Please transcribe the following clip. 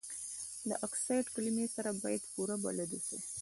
د اکسایډ کلمې سره باید پوره بلد اوسئ.